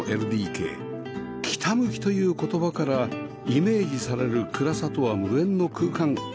北向きという言葉からイメージされる暗さとは無縁の空間